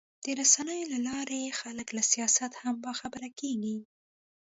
د رسنیو له لارې خلک له سیاست هم باخبره کېږي.